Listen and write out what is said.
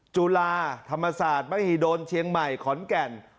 จุฬาธรรมศาสตร์มหิดลเชียงใหม่ขอนแก่น